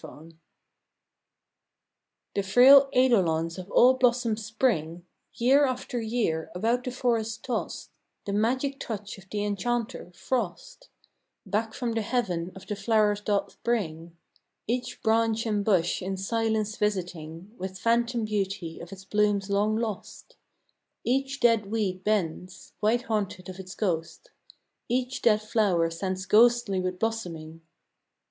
HOAR FROST The frail eidolons of all blossoms Spring, Year after year, about the forest tossed, The magic touch of the enchanter, Frost, Back from the Heaven of the Flow'rs doth bring; Each branch and bush in silence visiting With phantom beauty of its blooms long lost: Each dead weed bends, white haunted of its ghost, Each dead flower stands ghostly with blossoming.